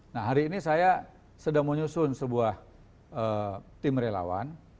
nah hari ini saya sedang menyusun sebuah tim relawan